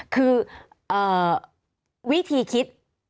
คือวิธีคิด